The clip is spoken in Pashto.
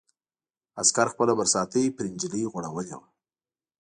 عسکر خپله برساتۍ پر نجلۍ غوړولې وه.